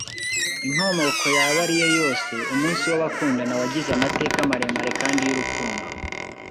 Inkomoko yaba ari yo yose, Umunsi w'abakundana wagize amateka maremare kandi y'urukundo.